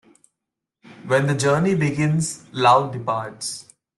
When the journey begins, love departs.